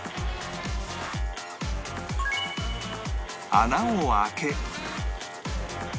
穴を開け